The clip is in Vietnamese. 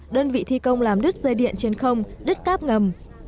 đơn vị thi công làm đứt dây điện trên không đứt cáp ngầm